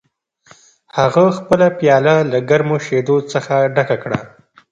هغه خپله پیاله له ګرمو شیدو څخه ډکه کړه